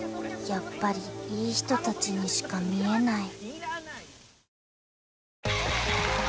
やっぱりいい人たちにしか見えない